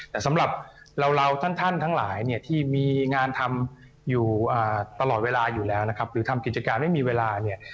แต่สำหรับเราท่านทั้งหลายเนี่ยที่มีงานทำอยู่ตลอดเวลาอยู่แล้วนะครับหรือทำกิจการไม่มีเวลาเนี่ย